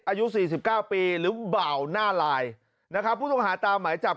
อายุ๔๙ปีหรือบ่าวหน้าลายนะครับผู้ต้องหาตาหมายจับ